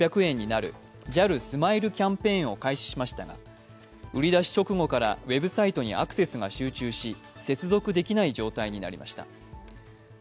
日本航空は昨日午前０時から全ての国内線の片道料金が６６００円になるＪＡＬスマイルキャンペーンを開始しましたが売り出し直後からウェブサイトにアクセスが集中し接続できない状態になりました。